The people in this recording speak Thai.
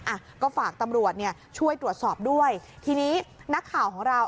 อ่ะก็ฝากตำรวจเนี่ยช่วยตรวจสอบด้วยทีนี้นักข่าวของเรา